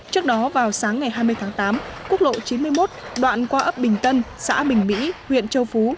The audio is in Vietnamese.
trước đó vào sáng ngày hai mươi tháng tám quốc lộ chín mươi một đoạn qua ấp bình tân xã bình mỹ huyện châu phú